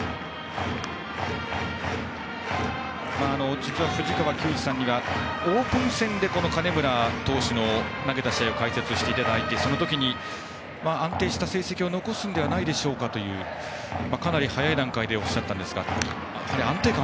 実は藤川球児さんにはオープン戦で金村投手の投げた試合を解説していただいてその時に、安定した成績を残すのではないでしょうかというかなり早い段階でおっしゃっていたんですが。